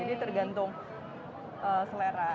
jadi tergantung selera